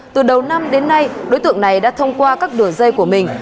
từ đầu năm đến nay đối tượng này đã thông qua các đường dây của mình